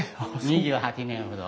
２８年ほど。